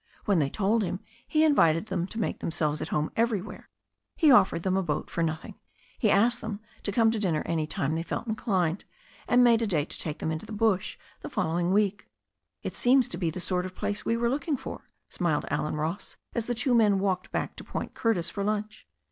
When they told him, he invited them to make themselves at home everywhere, he offered them a boat for nothing, he asked them to come to dinner any time they felt inclined, and made a date to take them into the bush the following week. "It seems to be the sort of place we were looking for," •smiled Allen Ross, as the two men walked back to Point Curtis for lunch.